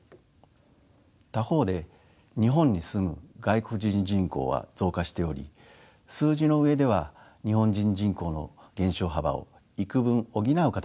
他方で日本に住む外国人人口は増加しており数字の上では日本人人口の減少幅を幾分補う形で推移しています。